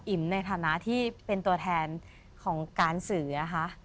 ในฐานะที่เป็นตัวแทนของการสื่อนะคะ